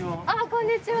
こんにちは。